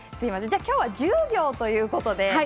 じゃあ今日は１０秒ということで。